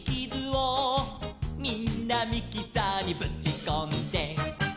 「みんなミキサーにぶちこんで」